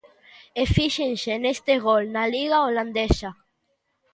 E fíxense neste gol na Liga holandesa.